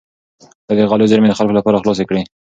ده د غلو زېرمې د خلکو لپاره خلاصې کړې.